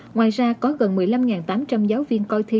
ngoài ra có gần một mươi năm tám trăm linh giáo viên coi thi